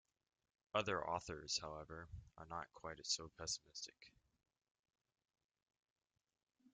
Other authors however, are not quite so pessimistic.